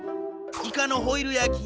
イカのホイル焼き。